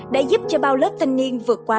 đã giúp cho bao lớp thanh niên vượt qua